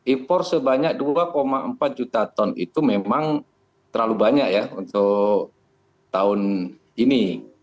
impor sebanyak dua empat juta ton itu memang terlalu banyak ya untuk tahun ini